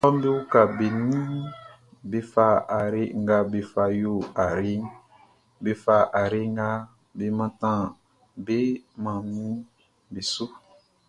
Taluaʼm be uka be ninʼm be fa ayre nga be fa yo ayreʼn, be fa ayre nga be nannanʼm be mannin beʼn su.